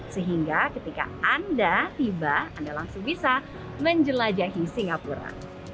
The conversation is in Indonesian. sehingga ketika anda tiba anda langsung bisa menjelajahi singapura